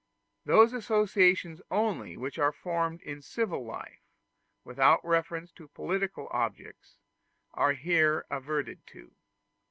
Those associations only which are formed in civil life, without reference to political objects, are here adverted to.